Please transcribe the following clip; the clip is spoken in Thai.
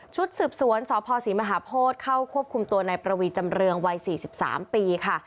สืบสวนสพศรีมหาโพธิเข้าควบคุมตัวในประวีจำเรืองวัย๔๓ปีค่ะ